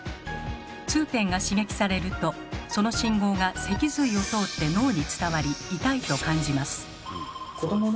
痛点が刺激されるとその信号が脊髄を通って脳に伝わり「痛い」と感じます。